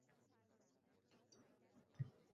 Bir bechoraning joni uzildi-ya.